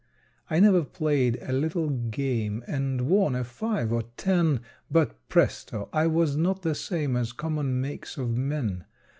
I never played a little game And won a five or ten, But, presto! I was not the same As common makes of men.